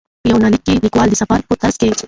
په یونلیک کې لیکوال د سفر په ترڅ کې.